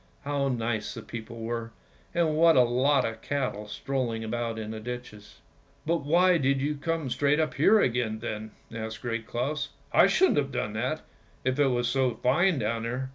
How nice the people were, and what a lot of cattle strolling about in the ditches." " But why did you come straight up here again then? " asked Great Claus. " I shouldn't have done that, if it was so fine down there."